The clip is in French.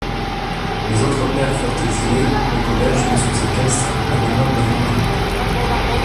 Les autres pères furent exilés, le collège mis sous séquestre et les meubles vendus.